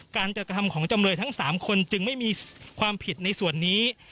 การกระทำของจำเลยทั้ง๓คนจึงไม่มีความผิดในส่วนนี้